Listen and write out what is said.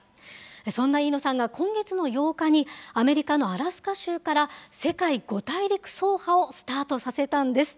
そんな飯野さんが、今月の８日に、アメリカのアラスカ州から世界５大陸走破をスタートさせたんです。